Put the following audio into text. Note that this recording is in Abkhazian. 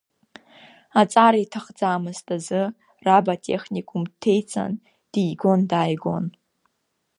Аҵара иҭахӡамызт азы, раб атехникум дҭеиҵан, дигон, дааигон.